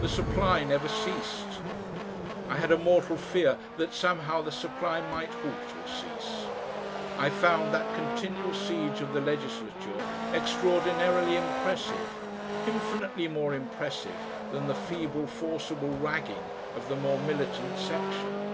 The supply never ceased. I had a mortal fear that somehow the supply might halt or cease. I found that continual siege of the legislature extraordinarily impressive infinitely more impressive than the feeble forcible "ragging" of the more militant section.